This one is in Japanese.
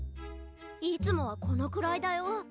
いつもはこのくらいだよ。